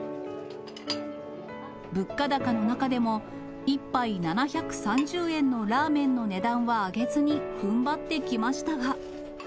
物価高の中でも、１杯７３０円のらーめんの値段は上げずにふんばってきましたが。